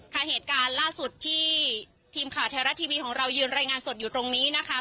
เหตุการณ์ล่าสุดที่ทีมข่าวไทยรัฐทีวีของเรายืนรายงานสดอยู่ตรงนี้นะคะ